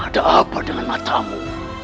ada apa dengan matamu